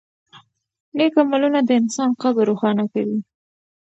نېک عملونه د انسان قبر روښانه کوي.